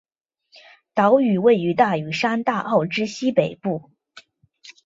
岛屿位于大屿山大澳之西北部。